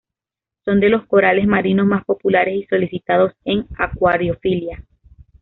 Son de los corales marinos más populares y solicitados en acuariofilia.